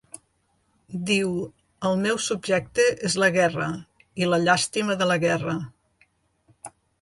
Diu: el meu subjecte és la guerra, i la llàstima de la guerra.